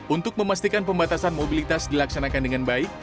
untuk memastikan pembatasan mobilitas dilaksanakan dengan baik